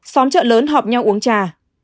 xóm chợ lớn họp nhau uống trà